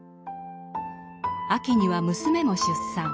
秋には娘も出産。